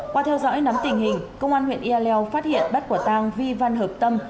qua theo dõi nắm tình hình công an huyện yà leo phát hiện bắt quả tang vi văn hợp tâm